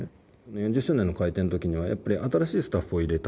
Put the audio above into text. ４０周年の改定の時はやっぱり新しいスタッフを入れたい。